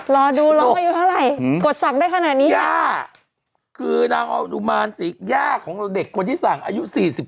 รอดูร้องอายุเท่าไหร่กดสั่งได้ขนาดนี้ย่าคือนางออนุมานศรีย่าของเด็กคนที่สั่งอายุ๔๓